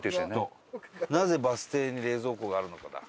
なぜバス停に冷蔵庫があるのかだ。